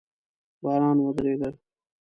باران ودرېده